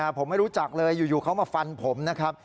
ผมไม่รู้จักเลยอยู่เขามาฟันผมนะครับ